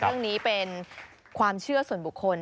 เรื่องนี้เป็นความเชื่อส่วนบุคคล